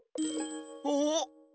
お。